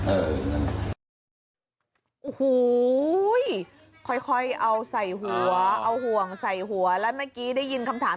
โอ้โหค่อยเอาใส่หัวเอาห่วงใส่หัวแล้วเมื่อกี้ได้ยินคำถาม